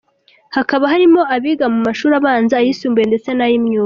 Hakaba harimo abiga mu mashuri abanza, ayisumbuye ndetse n’ay’imyuga.